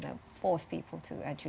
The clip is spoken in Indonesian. ada juga perubahan pikiran di dalam